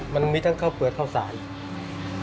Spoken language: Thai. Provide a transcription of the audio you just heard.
มันมีทั้งข้าวเปลือเท่าศาสตร์